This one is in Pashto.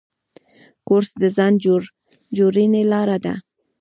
کورس د ځان جوړونې لاره ده.